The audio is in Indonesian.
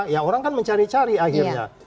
ya orang kan mencari cari akhirnya